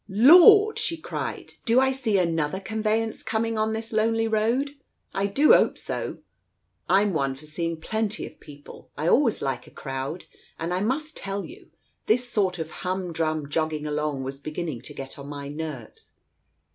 "Lord!" she cried, "do I see another conveyance coming on this lonely road? I do 'ope so. I'm one for seeing plenty of people. I always like a crowd, and I must tell you, this sort of humdrum jogging along was beginning to get on my nerves."